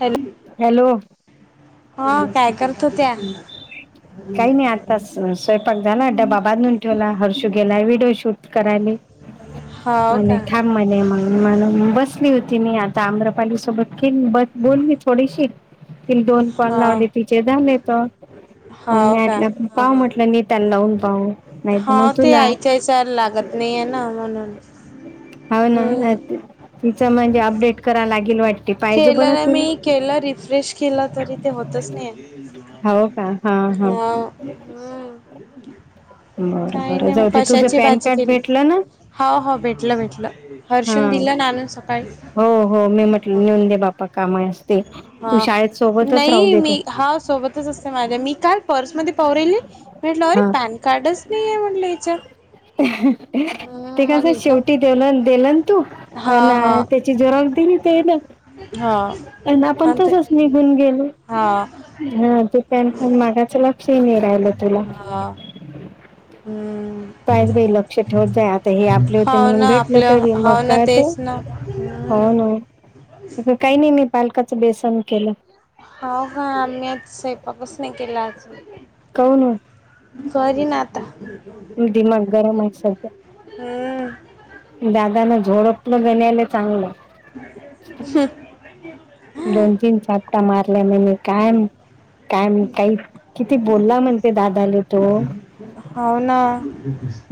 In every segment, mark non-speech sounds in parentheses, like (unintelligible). Hello. Hello. हा काय करत होत्या? काही नाही आता स्वयंपाक झाला, डबा बांधून ठेवला. हर्षू गेलाय व्हिडिओ शूट करायले. हो म्हणे का थांब म्हणे मग अ बसली होती मी आता आम्रपाली सोबत कि बस बोलली थोडीशी ति दोन कॉल हो लावले तिचे झालेत. हो का मग (unintelligible) पाहू ह म्हटलं नीताला लावून पाहू, नाहीतर मग तुला. तेच्यावर लागत नाही आहे ना म्हणून. हो ना हम्म तिचं म्हणजे अपडेट कराय लागेल वाट ते पाहिजे केलं बरं नाही मी केलं रिफ्रेश केलं तरी ते होतच नाही (unintelligible) हो का? हा, हा. हं, बरं काही बरं नाही जाऊ मग दे तुझं कशाची पॅन भाजी कार्ड केली? भेटलं ना हो, हो भेटलं भेटलं. हर्षूनं हा दिलं ना आणून सकाळी. हो हो मी म्हटलं नेऊन दे बापा काम असते. तू शाळेत सोबतच राहू देेत हाव सोबत तच असते माझ्या. मी काल पर्समध्ये पाहू राहिली, म्हटलं अरे हा पॅन कार्डच नाही आहे म्हटलं याच्यात. हम्म ते मग कसं एकदम शेवटी देल देल ना तू हा हा अन् ते ची झेरॉक्स दिली ते ना हा आणि आपण तसच निघून गेलो. हा हा ते पॅन पण मागाच लक्षही नाही राहिलं तुला. हा हम्म. पायच बाई लक्ष ठेवत जाय आता हे आपले होते हाव म्हणून ना भेटलं आपलं तरी, मग हाव ना काय तर तेच ना हो हम्म ना. काही नाही मी पालकाचं बेसन केलं. हो हा आम्ही आज स्वयंपाकच नाही केला अजुन. काऊन करीन आता. दिमाग गरम हाय सध्या. हम्म. दादानं झोडपलं गण्याले चांगलं. (inaudible) दोन तीन चापटा मारल्या. म्हणे काय काय म काही किती बोलला म्हण ते दादाले तो. होव ना.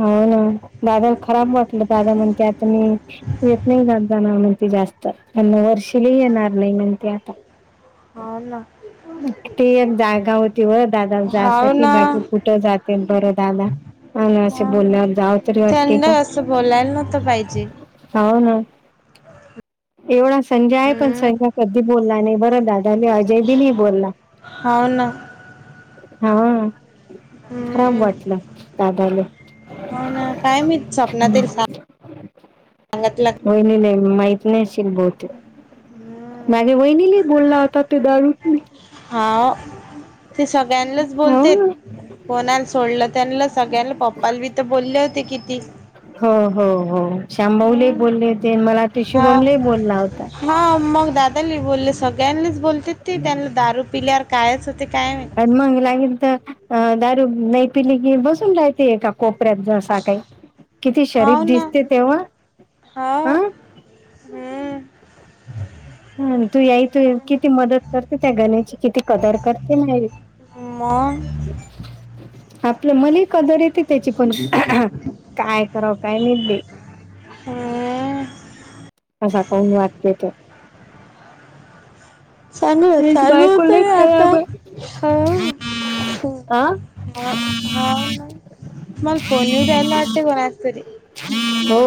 हो ना. दादाला खराब वाटलं. दादा म्हणते आता मी येत नाही जात जाणार म्हण ती जास्त. त्यांना वर्षिली येणार नाही म्हण ते आता. हो ना. ती जागा होती व दादाला हाव जायासाठी, ना बाकी कुठं जाते बरं दादा. हा ना असे हाव ना बोलल्यायावर जाव तरी वाटते त्यांना का. असं बोलायला नव्हतं पाहिजे हो ना एवढा संजा आहे पण संजा कधी बोलला नाही बरं दा त्यांनी आजे बी नाईत हो ना हा खराब हम्म वाटलं दादाले हो ना. काय माहित स्वप्नात येईल सा (inaudible) (unintelligible) वहिनीले हि माहित नशील बहुतेक. हम्म मागे वहिनीले हि बोलला होता ते दारू हा ते सगळ्यांनाच हो बोलतेत. कोणाला सोडलं त्यांना सगळ्यांना पप्पाला बी तर बोलले होते किती हो हो हो श्यामबाहले बोलले होते मला ते हा शुभमला बोलला होता. हा मग दादानी बोलले सगळ्यांनीच बोलते ती त्यांना दारू पिल्यार कायच होते काय माहि आणि मग लागेल तर दारू नाही पिली की बसून राहते एका कोप पऱ्यात जसा काही किती शरीफ हाव ना दिसतेत तेंव्हा हाव हा हम्म ह तू याई तू किती मदत करते त्या गण्याची किती कदर करते नाइ मग आपली मले कदर येती त्याची कोणी काय कराव काय माहित बाई हम्म असं कोण वागतेत चांगलं चालू बायको होत लई ग आता खराब आहे. हो. हो आ हा हा ना त मला फोन येऊ राहिला वाटतंय कोणाचा तरी हो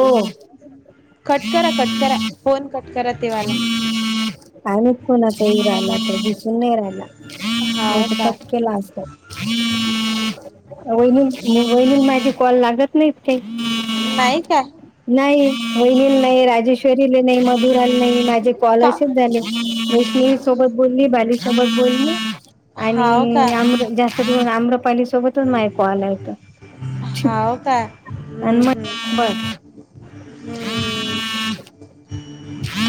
कटकरा कटकरा फोन कट करा तेवाला. काय माहित कोणाचा येऊ राहिला तो दिसून नाही राहिला. हाव नाहीतर का. कट केला असता वैनी वैनीला माझे कॉल लागत नाहीत ठीक नाही काय नाही वहिनीला नाही राजेश्वरीले नाही मधुराला नाही माझे का स्कॉलरशिप झाले वैष्णवी सोबत बली बा सोबत बली आणि हाव का अम्र जास्त अम्रपाली सो सोबतच माझे कॉल आहेत चूप हाव काय हम्म आणि मग हम्म होय. हम्म. (inaudible)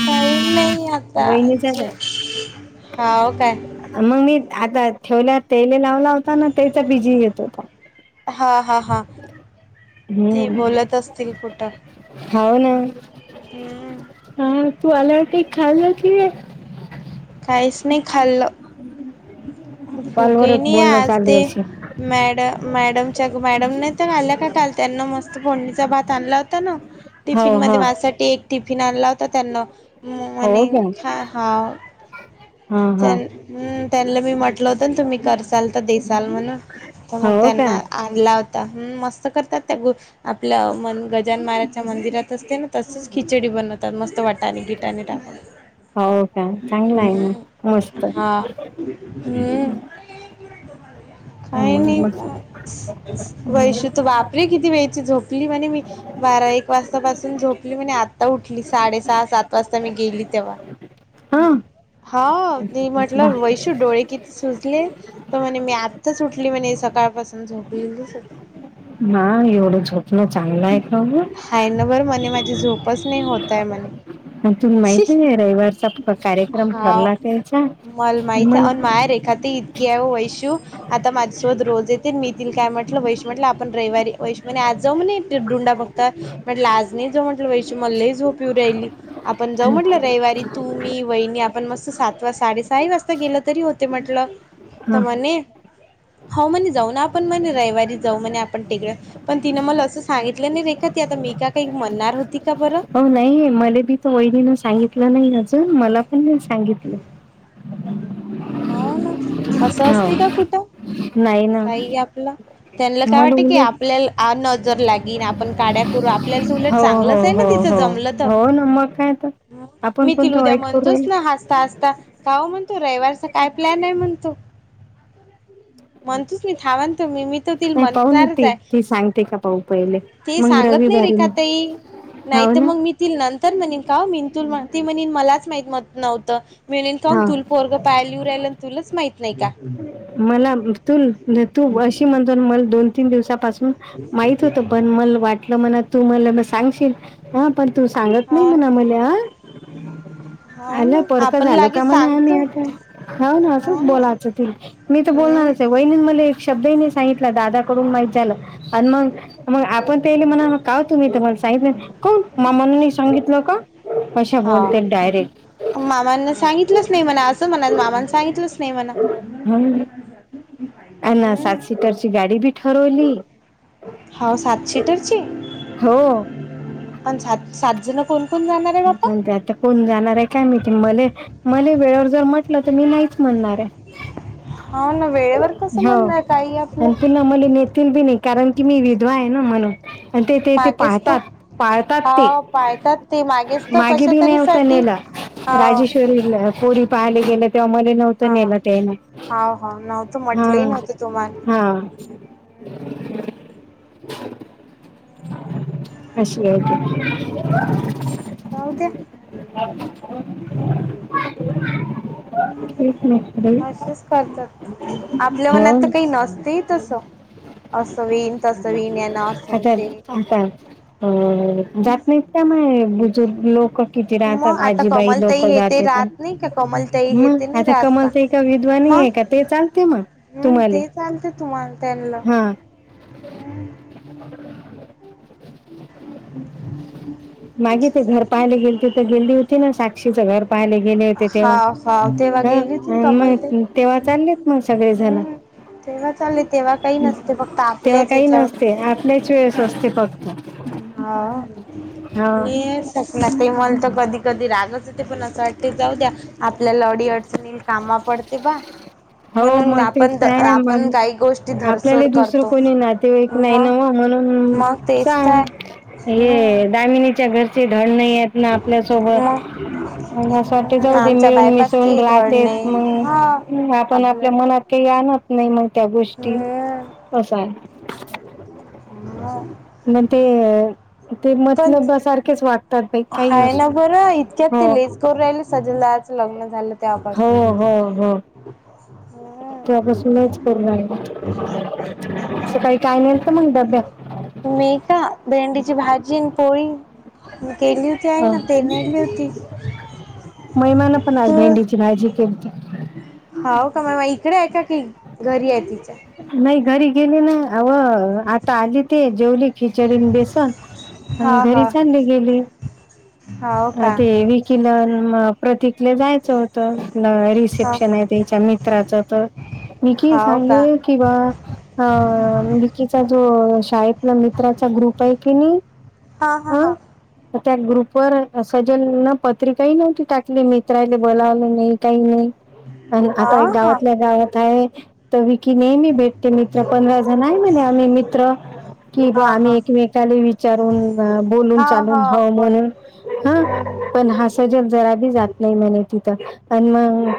काही नाही आता वहिनीचाच आहे. जेव हाव काय? मग मी आता ठेवल्या तेल लावला होता ना तेचा बीजी येत होता हा हा हा ते हम्म बोलत असतील कुठं हो ना. हम्म हा तू आल्यावरती खाल्लं की काहीच नाही खाल्ल, भूकही कॉलवरच नाही बोलणं आज चालू ते असेल मॅड मॅडमच्या ग मॅडम नाहीतर आल्या का कालच्या का त्यांना मस्त फोडणीचा भात आणला होता ना हो टिफिन मध्ये हो माझ्यासाठी एक टिफिन आण आणला तर त्यांन म हो मणे का खा हा हा हा त्यां हम् त्यांना बी मी म्हटलं होतं ना तुम्ही कर चालत देसाल म्हणून तर मग हो का त्यांना आणला होता मस्त करतात त्या ग आपल्या मन गजान महाराजच्या मंदिरात असते ना तसेच खिचडी बनत त्यात मस्त वाटा गीटाने टाकून हो का चांगलं आहे मग हम्म मस्त हा हम्म काही हम्म नाही मस्त वैश वापरे किती वेळची झोपली म्हणे मी बारा एक वाजतापासून झोपली म्हणे आता उठली. साडे सहा सात वाजता मी गेली तेव्हा, हा हा. ती वा म्हटलं वैशू डोळे कित सुटले तर म्हणे मी आत्ताच उठली म्हणे सकाळपासून झोपलेलीच होती. ना एवढं झोपणं चांगलं आहे का गं? हाय नां बर म्हणे माझी झोपच नाही होत आहे म्हणे. मग तुला छी माहित नाही रविवारचा कार्यक्रम हाव ठरला त्याचा मल काय रेखा ती केव वैशु आता माझ्यासोबत रोज येते मी तीला काय म्हटलं वैशु म्हटलं आपण रविवारी वैशु म्हणे आज जाऊ म्हणे डुंडा ब तर म्हटलं आज नाही जाऊ म्हटलं वैशु मला लई झोप येऊ राहिली. आपण जाऊ म्हटलं रविवारी. तू, मी, वहिनी आपण मस्त सात वाज साडेसहाही वाजता गेलं तरी होते म्हटलं. तर हा म्हणे हो म्हणे जाऊ ना आपण म्हणे रविवारी जाऊ म्हणे आपण तिकडं. पण तिनं मला असं सांगितलं नाही, रेखा ती आता मी का काही म्हणणार होती का बरं. अहो नाही मले बी तो वहिणीनं सांगितलं नाही अजून, मला पण नाही सांगितलं. हो ना असं असते का हो कुठं. नाही ना काहीही आपलं. त्यांना काय मला वाटतं की उलट आपल्याला नजर लागेन, आपण काड्या करू, आपल्याला तर उलट हो हो चांगलंच आहे ना. हो तिच हो जम हो ना, मग काय तर. आपण मी तिला कोणतं उद्या वाईट करू म्हणतोच राहिलो ना हसता हसता का ओ म्हणतो रविवारचा काय प्लॅन आहे म्हणतो. (inaudible) म्हणतोच मी थांबा ना तुम्ही, मी तर तिला नाही पाहू ना म्हणणारच ती आहे. ती सांगते का पाहू पहिले ति मग सांगत नाही रविवारी मग रेखाताई नाही हाव तर ना मग मी तीला नंतर म्हनीन का मिं तुल ते म्हनीन मलाच माहित मत नव्हतं मिन का हा तुल पोरग पाॅल्यू राहिल तुलाच माहित नाही का? मला तूल तू अशी म्हणत मल दोन तीन दिवसापासून हम्म माहित होत, पण मल वाटलं मणा तू मनानं सांगशील. हा पण तू सांगत नाही हा म्हणाव मले‌ हा. हा ना आलं परक आपण जालो का लागेच म्हणाव आम्ही सांगतो आता. हो ना असंच बोलायचं तिला. मी तर हम्म बोलणारच हाय. वहिणीने मला एक शब्दही नाही सांगितला. दादाकडून माहित झालं आणि मग मग आपण ते येले म्हणा का ओ तुम्ही तर मला सांगितलं नाही. काहून मामानी नाही सांगितलं का? अशा बोलतेल डायरेक्ट. मामांन सांगितलंच नाही मला असंच म्हणायच, मामांन सांगितलंच नाही म्हणा. (unintelligible) आ ना हम्म सात सीटरची गाडी बी ठरवली. हाव सात सीटरची? हो पण सात सात जण कोण कोण जाणार आहे बाप्पा? (unintelligible) कोण जाणार आहे काय माहिती. मले, मले वेळेवर जर म्हटलं तर मी नाहीच म्हणणार हाय. हो ना वेळेवर कसं म्हणणार, काहीही आपलं. ते मला नेतील बी नाही, कारण की मी विधवा आहे ना म्हणून. आणि ते ते ते मागेच तो पाहतात, पाळतात ते. हा पाळतात ते मागेच तर मागे कशा बी तरी नव्हत साठी नेलं. हा राजेश्वरीला पोरी पाहाले गेलं तेव्हा मले नव्ह त हा नेलं त्यांनी. हा हा नव्हतं म्हटलंही हम्म. नव्हतं तुम्हाला हा. असले हाय ते. राहू द्या. तेच ना बाई असंच करतात. आपल्या हो मनात तर काही नसते तसं. असं व्हिन, तसं व्हिन. यान असं (unintelligible) हो होते जात नाहीत काय (unintelligible) बुजुर्ग लोक किती मग राहतात. आता आजीबाई लोक कमलताई हे ते जातेत. राहत नाही का कमलताई हे मग ते नाही आता राहत का कमलताई विद्वानी मग आहे का ते चालते मग हम्म तुम्हाले ते चालते तुम्हाला त्यांना हा (inaudible) मागे ते घर पाहायला गेले ते तर गेली होती ना साक्षीचं घर पाहिले गेले होते हा तेव्हा. हा तेव्हा गेली हाव होती ना आण कमलताई मग तेव्हा चाललेत मग सगळेजण. हम्म तेव्हा चालेल तेव्हा काही नसते. फक्त आपल्याच याच्यावर लयचवेळस असते फक्त. हा. हा हे सपना ताई मला तर कधी कधी रागच येतोय पण असं वाटतंय जाऊद्या आपल्याला अडीअडचणील कामा पडते बा हो म्हणून मग तेच आपण तर द आहे आपण मग काही गोष्टी आपल्याला धरसोड दुसरं करतो. कोणी नातेवाईक नाही म ना हो म्हणून मग तेच सांग तर हे हम्म दामिनीच्या घरचे धड नाहीये ना आपल्यासोबत मग म्हणून अस वाटत जाऊन दे आमच्या मिळून मिसळून बायपासचे धडणे राहतेत हा मनुन. आपण आपल्या आपलं मनात काही आणत नाही मग त्या गोष्टी. हम्म असा हे मग ते ते म पण लब्या सारखेच वाट हाय ना बरं इतक्यात ते लयचकरू राहिले सजन‌ दादाच लग्न झालं हो त्यावापासून हो हो. तेव्हापासूनच करून राहिले हम्म. सकाळी काय नेलत मग डब्यात? मी का भेंडीची भाजी आण पोळी. केली होती आईनं ते नेली होती. मई मन पण आज भेंडीची भाजी केलती. होव का म इकडे आहे का ती घरी आहे तिच्या. नाही घरी गेलेना अवं. आता आले ते जेवली खिचडी अन बेसन आन हा घरी हा चालले गेले. हाव अ का ते हे केल अन मग प्रतीकले जायचं हो हा रिसेप्शन आहे त्याच्या मित्राच तर मीकि हाव का सांगले. किंवा. ह मिकीचा जो शाळेतला मित्राचा ग्रुप आहे की नाही. हा हा अ हा. त्या ग्रुपवर सजन न पत्रिकाही नव्हती टाकली मित्रायले बोलावलं नाही काही नाही. आणि हा आता एक हा गावातल्या गावात आहे. तर विकी नेहमी भेटते मित्र पंधरा जण आहे म्हणे आम्ही मित्र. कि‌ ब आम्ही हा हा एकमेकाला विचारून बोलून हा चालून हा हऊ बर म्हणून. हा हम्म हम्म पण हास सजेब जरा बी जात नाही म्हणे तिथं आन मग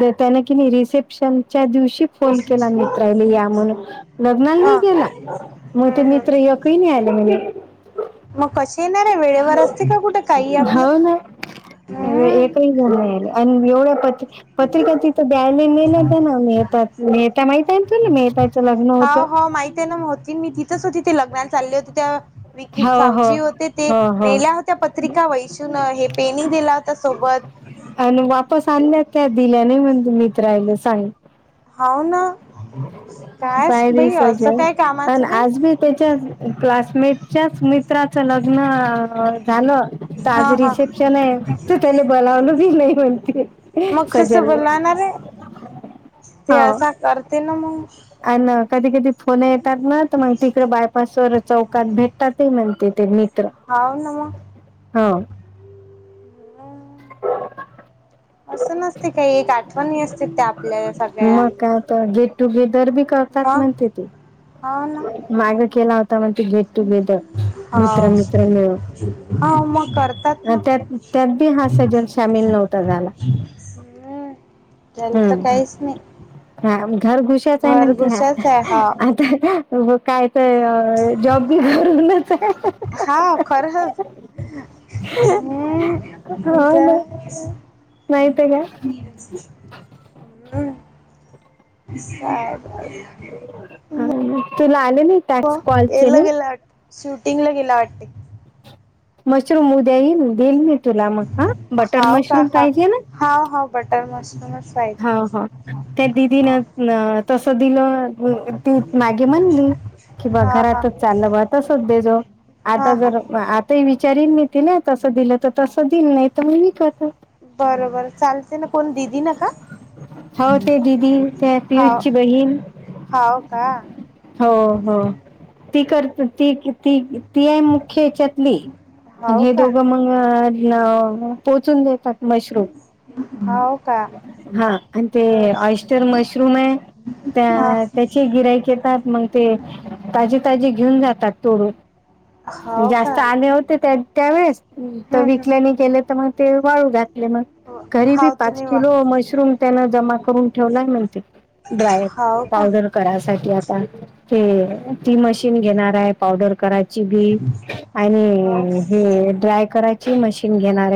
देत्याने की मी रिसेप्शनच्या दिवशी. फोन केला मित्रायले या म्हणून लग्नाला हा नाही गेला म ते हम्म मित्र हम्म यक ही नाही आले म्हणे. मग कसे येणार आहे वेळेवर असते का कुठे काही आपलं. हो ना हम्म एकही घ्याला नाहि‌ आले आणि एवढ्या पत पत्रिका ती द्यायला मे तर ना मिहतात मेहता माहितय तेना तूले मेहतात. होा हो माहितेना म होती मी तिथंच होतीिथे लग्नाला चालले होते तेव्हा. विकी हो हो सावजी होते ते हो हो नेल्या होत्या पत्रिका वैषून हे पेन ही दिला होता सोबत. आणि वापस आणल्या त्या दिल्या नाही म्हणत मीत्रायले सांग. होवना कायच सायरी बाई असं सजय काय पण कामाचं‌ बाई आज मी त्याच्याच क्लासमेटच्याच मित्राचं लग्न आ. झालं त हा आज हा रिसेप्शन आहे तर त्याला बोलावलं बी नाही म्हणते. मग कस सजलने बोलावणार आहे ते असा करते ना मग. आन कधी कधी फोन येतात ना मग तिकड बायपास वर चौकात भेटतात ते म्हणते ते मित्र. हाव‌ ना मग. हो. अ (inaudible) असं नसते काही एक आठवणी असते त्या आपल्या सगळ्या. (unintelligible) गेट टुगेदर बी करतात मग म्हणते ती. हाव ना (unintelligible) मागं केला होता म्हण ते गेट टुगेदर मित्र हाव मित्र मिळून. हाव मग करतात अ ना त्यात त्यात बी हा सजग सामील नव्हता झाला. (inaudible) त्यांल हम्म काहीच नाही. हा म घर घुशाच आहे म्हण की हा, घरगुतीच आहे हा आता मग काय ते जॉब बी घरूनच हाय. हा खरंच (unintelligible) माहित आहे का (inaudible) (unintelligible) हा ना. तुला आले नाही टॅक्स कॉलचे याला (unintelligible) गेला वाट शूटिंगला गेला वाटते. मशरूम उद्या यीन देईल मी तुला मग हा. बटर हाव का मशरूम हा पाहिजे ना? हाव, हाव. बटर मशरूमच पाहिजे हाव, हाव. त्या हा दिदीनं तसं दिलं ती मागे म्हणली कि बा हा हा घरातच चाललं बुवा तसच दे जो. हा आता हा जर आत ते विचारील मी तिला तसं दिलं तर तसं देईन, नाही तर मग विकत. बर बर चालते ना. कोण दिदीन का? हो ते दिदी त्या हाव पियुषची बहीण हाव का? हो हो हम्म. ती कर ती ती किती ती आहे मुख्य याच्यातली. मग हाव हे का दोघं मग अं न पोचून देतात मशरूम. हाव. का हा आणि ते हम्म, ऑयस्टर मशरूम आहे हा त्या ते चे गिराईक येतात, मग ते ताजी ताजी घेऊन जातात तोडून. हाव का जास्त आले होते त्यात त्यावेळेस त हम्म, हम्म. विकले नाही गेले तर मग ते वाळू घातले मग. घरी बी हाव पाच तुम्ही वा किलो मशरूम त्याणं जमा करून ठेवलाय म्हण ते. ड्रायर हो का पावडर करायसाठी आता. ते ती मशीन घेणार आहे पावडर कराय ची बी हो आणि का हे ड्राय करायची हा मशीन घेणार.